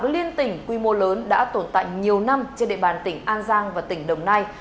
liên tỉnh quy mô lớn đã tồn tại nhiều năm trên địa bàn tỉnh an giang và tỉnh đồng nai